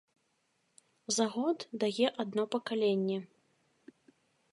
За год дае адно пакаленне.